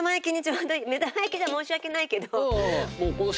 目玉焼きじゃ申し訳ないけど。